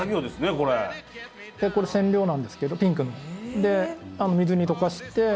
でこれ染料なんですけどピンクの。で水に溶かして。